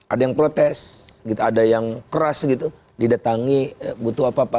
ada yang protes gitu ada yang keras gitu didatangi butuh apa apa